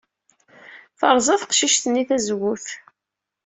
Terẓa teqcict-nni tazewwut.